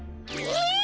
え！？